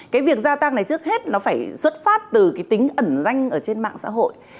cái việc gia tăng này trước hết nó phải xuất phát từ cái tính ẩn danh ở trên mạng xã hội